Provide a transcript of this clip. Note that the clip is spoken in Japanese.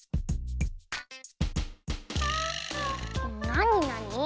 なになに？